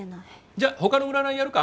じゃあ他の占いやるか？